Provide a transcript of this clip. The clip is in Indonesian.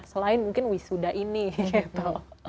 selain mungkin wisuda ini gitu